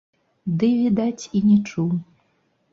Ды, відаць, і не чуў.